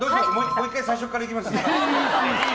もう１回最初から行きますね。